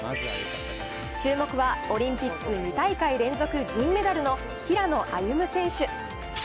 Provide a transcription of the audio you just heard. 注目は、オリンピック２大会連続銀メダルの平野歩夢選手。